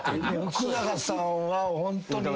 福永さんはホントに。